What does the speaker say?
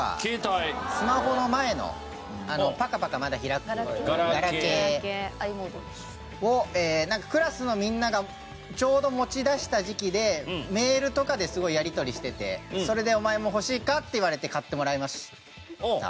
スマホの前のパカパカまだ開くガラケーをクラスのみんながちょうど持ち出した時期でメールとかですごいやり取りしててそれで「お前も欲しいか？」って言われて買ってもらいました。